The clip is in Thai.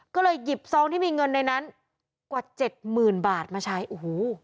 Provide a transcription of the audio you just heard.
ก็เลยหยิบซองที่มีเงินในนั้นกว่าเจ็ดหมื่นบาทมาใช้โอ้โห